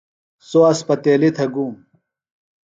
سوۡ اسپتیلیۡ تھےۡ گُوم۔